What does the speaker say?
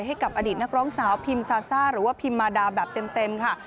ให้กับอดีตนักร้องสาวพิมซาซ่าหรือว่าพิมมาดาแบบเต็มค่ะ